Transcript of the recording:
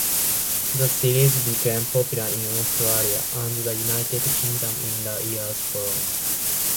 The series became popular in Australia and the United Kingdom in the years following.